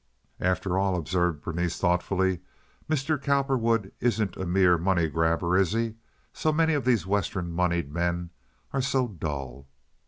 "After all," observed Berenice, thoughtfully, "Mr. Cowperwood isn't a mere money grabber, is he? So many of these Western moneyed men are so dull."